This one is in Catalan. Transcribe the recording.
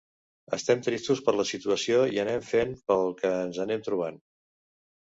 Estem tristos per la situació i anem fent pel que ens anem trobant.